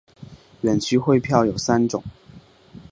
远期汇票有三种。